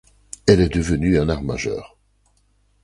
Elle est devenue un art majeur.